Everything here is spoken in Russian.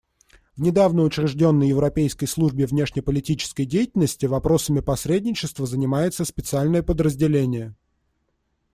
В недавно учрежденной Европейской службе внешнеполитической деятельности вопросами посредничества занимается специальное подразделение.